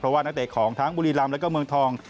เพราะว่านักเตะของทั้งบุรีรำแล้วก็เมืองทอง